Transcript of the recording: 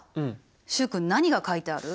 習君何が描いてある？